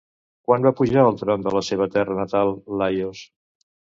Quan va pujar al tron de la seva terra natal Laios?